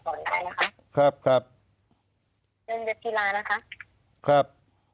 ทำให้แก่ปลับฝนได้นะคะครับทีลานะคะครับ